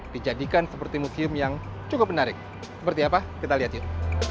dijadikan seperti museum yang cukup menarik seperti apa kita lihat yuk